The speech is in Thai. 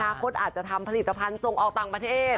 คตอาจจะทำผลิตภัณฑ์ส่งออกต่างประเทศ